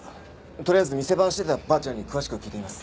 とりあえず店番してたばあちゃんに詳しく聞いてみます。